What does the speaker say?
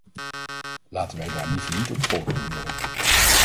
Laten wij daar liever niet op voortborduren.